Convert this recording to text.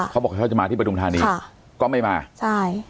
เขาบอกเขาจะมาที่ปฐุมธานีค่ะก็ไม่มาใช่